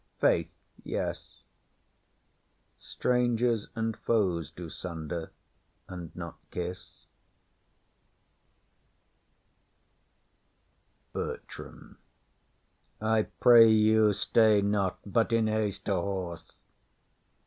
Faith, yes, Strangers and foes do sunder and not kiss. BERTRAM. I pray you, stay not, but in haste to horse.